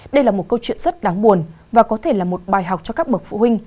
đây là một câu chuyện rất đáng buồn và có thể là một bài học cho các bậc phụ huynh